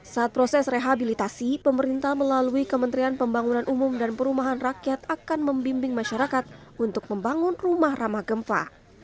saat proses rehabilitasi pemerintah melalui kementerian pembangunan umum dan perumahan rakyat akan membimbing masyarakat untuk membangun rumah ramah gempa